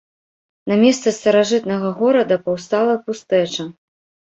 На месцы старажытнага горада паўстала пустэча.